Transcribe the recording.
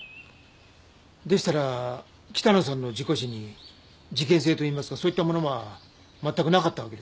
でしたら北野さんの事故死に事件性といいますかそういったものは全くなかったわけですね？